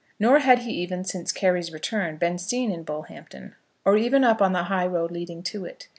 Nor had he even, since Carry's return, been seen in Bullhampton, or even up on the high road leading to it.